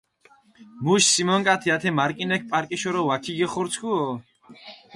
მუში სიმონკათი ათე მარკინექ პარკიშორო ვაქიგეხორცქუო.